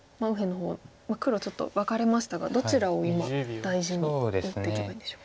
黒ちょっと分かれましたがどちらを今大事に打っていけばいいんでしょう？